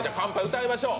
歌いましょう。